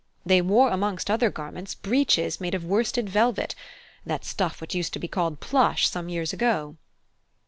They wore amongst other garments, breeches made of worsted velvet, that stuff which used to be called plush some years ago."